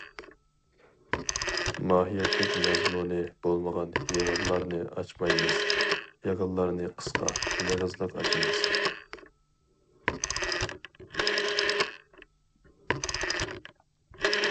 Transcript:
ماھىيەتلىك مەزمۇنى بولمىغان يىغىنلارنى ئاچمايمىز، يىغىنلارنى قىسقا، مېغىزلىق ئاچىمىز.